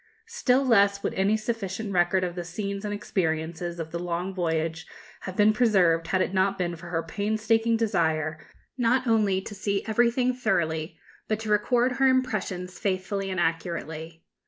Still less would any sufficient record of the scenes and experiences of the long voyage have been preserved had it not been for her painstaking desire not only to see everything thoroughly, but to record her impressions faithfully and accurately.